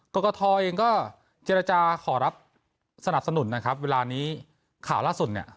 กรกฐเองก็เจรจาขอรับสนับสนุนนะครับเวลานี้ข่าวล่าสุดเนี่ย